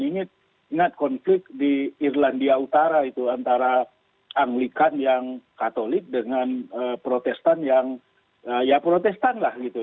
ingat konflik di irlandia utara itu antara anglikan yang katolik dengan protestan yang ya protestan lah gitu